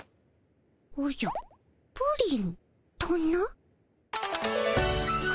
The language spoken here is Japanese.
おじゃプリンとな。